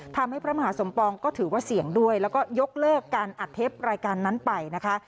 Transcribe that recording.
ทำให้พระมหาสมปองก็ถือว่าเสี่ยงด้วยแล้วก็ยกเลิกการอัดเทปรายการนั้นไปนะคะ